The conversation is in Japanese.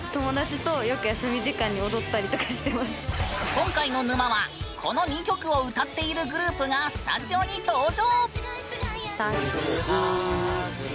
今回の沼はこの２曲を歌っているグループがスタジオに登場！